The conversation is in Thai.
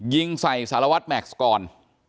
ยิงใส่สารวัตรแม็กซ์ก่อน